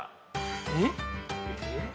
えっ！？